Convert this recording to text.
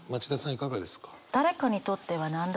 いかがですか？